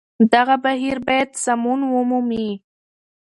دغه بهير بايد سمون ومومي